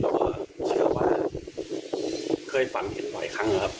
แล้วก็เชื่อว่าเคยฝันเห็นบ่อยครั้งนะครับ